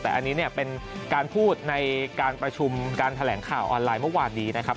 แต่อันนี้เนี่ยเป็นการพูดในการประชุมการแถลงข่าวออนไลน์เมื่อวานนี้นะครับ